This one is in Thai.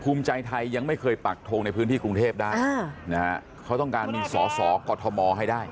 ภูมิใจไทยยังไม่เคยปักทงในพื้นที่กรุงเทพได้นะฮะเขาต้องการมีสอสอกอทมให้ได้